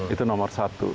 itu nomor satu